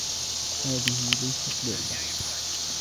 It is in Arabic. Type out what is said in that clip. هذه ليست لعبة.